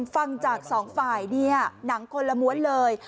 ฟังจากสองฝ่ายเนี่ยหนังคนละม้วนเลย